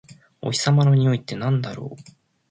お日様のにおいってなんだろう？